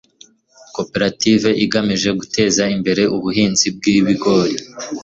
koperative igamije guteza imbere ubuhinzi bw ibigori